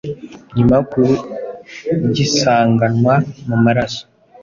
nyuma yo kugisanganwa mu maraso